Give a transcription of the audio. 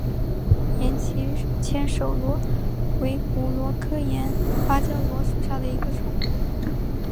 岩棘千手螺为骨螺科岩芭蕉螺属下的一个种。